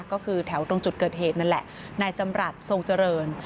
ก็คือแถวตรงจุดเกิดเหตุนั่นแหละนายจำรัฐทรงเจริญ